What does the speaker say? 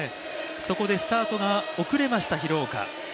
そこでスタートが遅れました、廣岡。